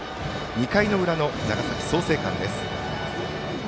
２回の裏の長崎、創成館です。